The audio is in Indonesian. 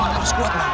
bang harus kuat bang